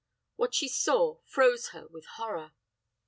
"What she saw froze her with horror.